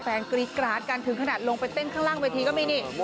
กรี๊ดกราดกันถึงขนาดลงไปเต้นข้างล่างเวทีก็มีนี่